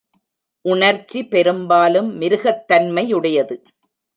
உணர்ச்சி பெரும்பாலும் மிருகத்தன்மையுடையது.